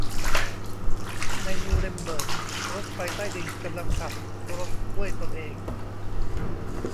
ในนูเรมเบิร์กรถไฟใต้ดินกำลังขับรถด้วยตนเอง